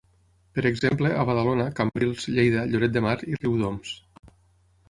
Per exemple, a Badalona, Cambrils, Lleida, Lloret de Mar i Riudoms.